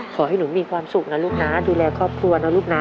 ขอให้หนูมีความสุขนะลูกนะดูแลครอบครัวนะลูกนะ